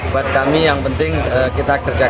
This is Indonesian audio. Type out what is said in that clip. buat kami yang penting kita kerjakan